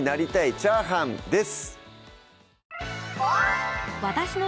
チャーハン」です